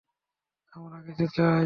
আমার কিছু চাই।